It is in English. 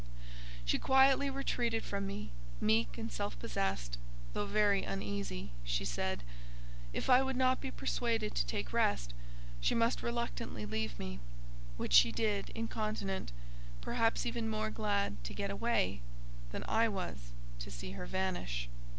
She quietly retreated from me: meek and self possessed, though very uneasy, she said, "If I would not be persuaded to take rest, she must reluctantly leave me." Which she did incontinent, perhaps even more glad to get away, than I was to see her vanish.